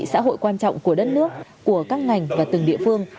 xã hội quan trọng của đất nước của các ngành và từng địa phương